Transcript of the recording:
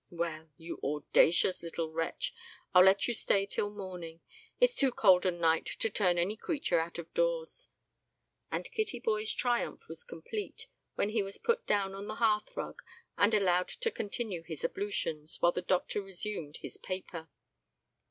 Well! you audacious little wretch, I'll let you stay till morning. It's too cold a night to turn any creature out of doors," and Kittyboy's triumph was complete when he was put down on the hearth rug and allowed to continue his ablutions, while the doctor resumed his paper.